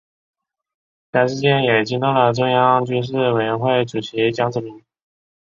该事件也惊动了中央军事委员会主席江泽民。